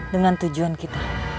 dengan tujuan kita